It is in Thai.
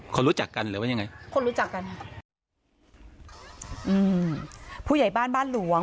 รู้จักกันหรือว่ายังไงคนรู้จักกันค่ะอืมผู้ใหญ่บ้านบ้านหลวง